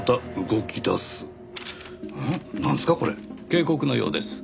警告のようです。